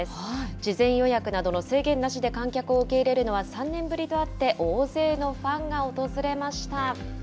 事前予約などの制限なしで観客を受け入れるのは、３年ぶりとあって、大勢のファンが訪れました。